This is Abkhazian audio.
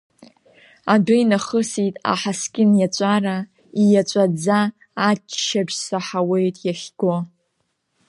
Адәы инахысит аҳаскьын иаҵәара, ииаҵәаӡа аччабжь саҳауеит иахьго…